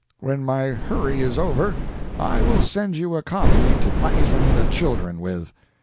When my hurry is over, I will send you a copy to pizen the children with.